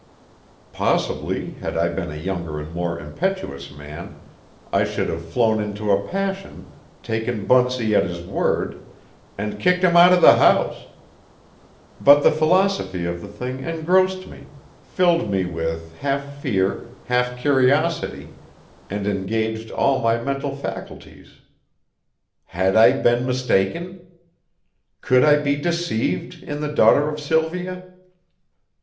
Possibly, had I been a younger and more impetuous man, I should have flown into a passion, taken Bunsey at his word, and kicked him out of the house; but the philosophy of the thing engrossed me, filled me with half fear, half curiosity, and engaged all my mental faculties. Had I been mistaken? Could I be deceived in the daughter of Sylvia?